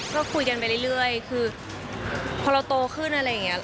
ก็คุยกันไปเรื่อยคือพอเราโตขึ้นอะไรอย่างนี้